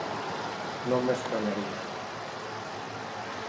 Non me estrañaría.